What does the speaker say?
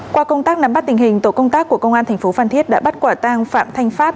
qua công tác nắm bắt tình hình tổ công tác của công an tp phan thiết đã bắt quả tang phạm thanh pháp